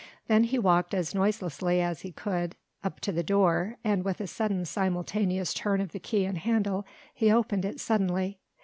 Then he walked as noiselessly as he could up to the door, and with a sudden simultaneous turn of key and handle he opened it suddenly.